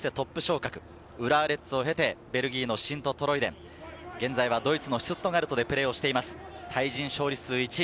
そしてトップ昇格、浦和レッズを経てベルギーのシントトロイデン、現在はドイツのシュツットガルトでプレーしています。